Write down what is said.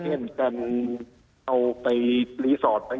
เลียมกันไม้ไปให้รีสอธิต